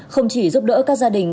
không chỉ giúp đỡ các gia đình